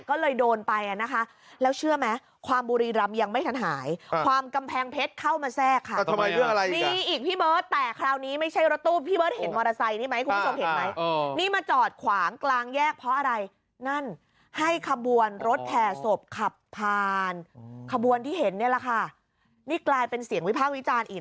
คุณผู้ชมค่ะว่าเออนี่เอางี้เดี๋ยวให้คุณดูคลิปก่อนละกันค่ะ